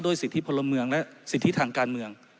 สิทธิพลเมืองและสิทธิทางการเมือง